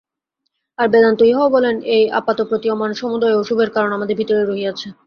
আর বেদান্ত ইহাও বলেন, এই আপাতপ্রতীয়মান সমুদয় অশুভের কারণ আমাদের ভিতরেই রহিয়াছে।